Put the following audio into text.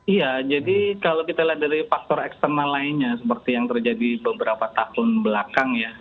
iya jadi kalau kita lihat dari faktor eksternal lainnya seperti yang terjadi beberapa tahun belakang ya